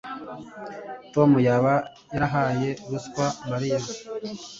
tom yaba yarahaye ruswa mariya